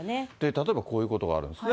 例えばこういうことがあるんですね。